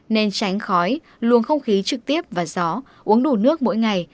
nên tránh khói luồng không khí trực tiếp và gió uống đủ nước mỗi ngày